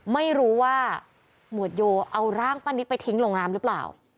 ไม่รู้ว่าหมวดโยเอาร่างป้านิตไปทิ้งลงน้ำหรือเปล่า